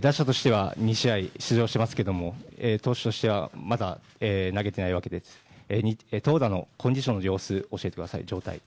打者としては２試合出場しますが投手としてはまだ投げていないわけで投打のコンディションの様子状態、教えてください。